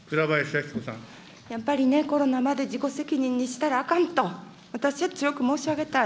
やっぱりね、コロナまで自己責任にしたらあかんと、私は強く申し上げたい。